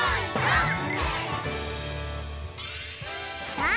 さあ